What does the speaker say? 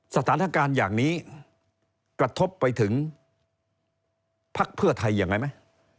สถานการณ์อย่างนี้กระทบไปถึงพักเพื่อไทยยังไงไหม